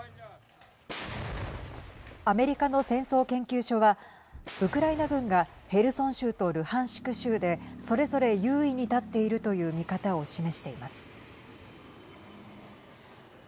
アメリカの戦争研究所はウクライナ軍がヘルソン州とルハンシク州でそれぞれ優位に立っているという見方を示しています。